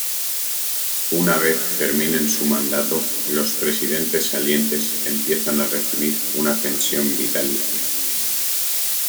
Una vez terminen su mandato los presidentes salientes empiezan a recibir una pensión vitalicia.